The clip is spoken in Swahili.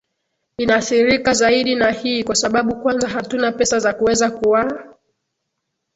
inathirika zaidi na hii kwa sababu kwanza hatuna pesa za kuweza kuwaa